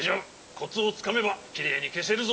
コツをつかめばきれいにけせるぞ。